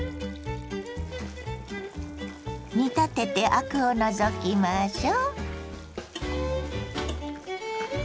煮立ててアクを除きましょ。